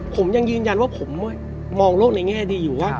ผมยังยืนยันว่าผมมองโลกในแง่ดีอยู่ว่า